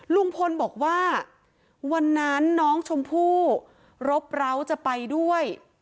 ลุงพลบอกว่าวันนั้นน้องชมพู่รบร้าวจะไปด้วย